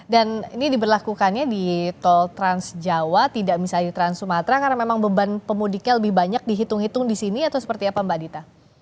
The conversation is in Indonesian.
dan ini diberlakukannya di tol trans jawa tidak misalnya trans sumatra karena memang beban pemudiknya lebih banyak dihitung hitung di sini atau seperti apa mbak dita